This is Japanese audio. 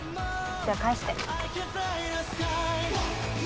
じゃあ返して。